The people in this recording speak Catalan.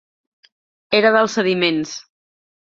Era dels sediments.